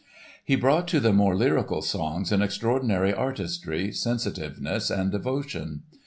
He brought to the more lyrical songs an extraordinary artistry, sensitiveness and devotion.